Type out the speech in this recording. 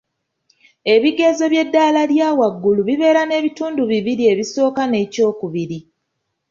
Ebigezo by'eddaala lya waggulu bibeera n'ebitundu bibiri ekisooka n'ekyokubiri.